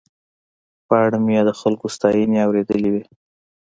په اړه مې یې د خلکو ستاينې اورېدلې وې.